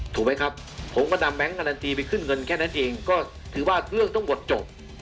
ถูกไหมครับผมก็นำแก๊งการันตีไปขึ้นเงินแค่นั้นเองก็ถือว่าเรื่องทั้งหมดจบ